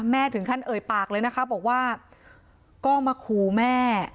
ถึงขั้นเอ่ยปากเลยนะคะบอกว่าก็มาขู่แม่